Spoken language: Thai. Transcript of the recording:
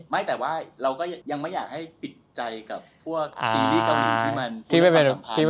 ไม่แต่ว่าเราก็ยังไม่อยากให้ปิดใจกับพวกซีรีส์เกาหลีที่มัน